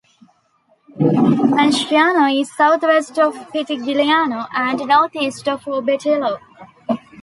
Manciano is southwest of Pitigliano and northeast of Orbetello.